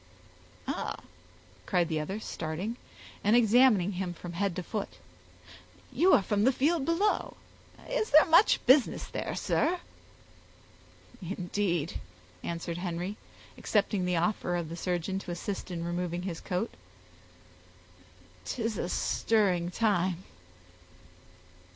"Ah!" cried the other, starting, and examining him from head to foot, "you are from the field below. Is there much business there, sir?" "Indeed," answered Henry, accepting the offer of the surgeon to assist in removing his coat, "'tis a stirring time."